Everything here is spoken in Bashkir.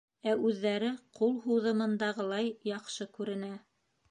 Ә үҙҙәре ҡул һуҙымындағылай яҡшы күренә.